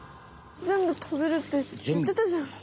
ぜんぶ食べるっていってたじゃん。